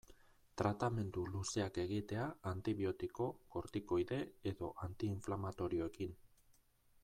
Tratamendu luzeak egitea antibiotiko, kortikoide edo anti-inflamatorioekin.